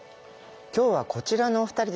今日はこちらのお二人です。